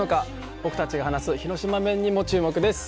僕たちが話す広島弁にも注目です。